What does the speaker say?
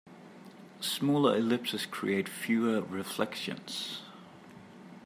Smaller ellipses create fewer reflections.